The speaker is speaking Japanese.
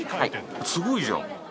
すごいじゃん！